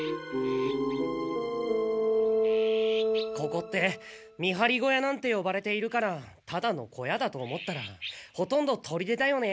ここって見張り小屋なんてよばれているからただの小屋だと思ったらほとんど砦だよね。